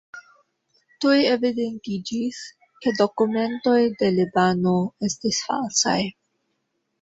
Tuj evidentiĝis, ke dokumentoj de Libano estis falsaj.